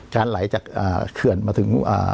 ไหลจากเขื่อนมาถึง